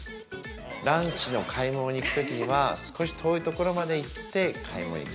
ランチの買い物に行くときには少し遠いところまで行って買い物に行く。